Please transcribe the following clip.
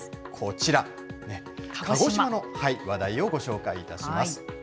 こちら、鹿児島の話題をご紹介いたします。